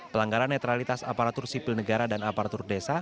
pelanggaran netralitas aparatur sipil negara dan aparatur desa